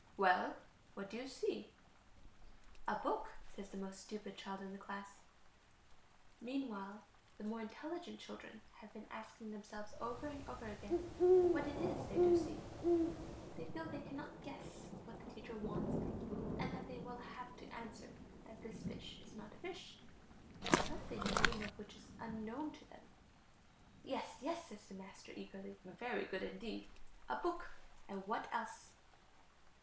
"Well, what do you see?" "A book," says the most stupid child in the class. Meanwhile, the more intelligent children have been asking themselves over and over again what it is they do see; they feel they cannot guess what the teacher wants, and that they will have to answer that this fish is not a fish, but something the name of which is unknown to them. "Yes, yes," says the master, eagerly, "very good indeed, a book. And what else?"